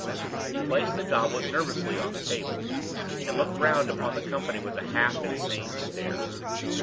He placed the goblet nervously on the table, and looked round upon the company with a half insane stare.